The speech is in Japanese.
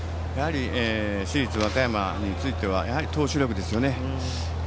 市立和歌山についてはやはり、投手力ですよね。